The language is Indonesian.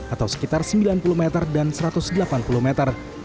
atau sekitar sembilan puluh meter dan satu ratus delapan puluh meter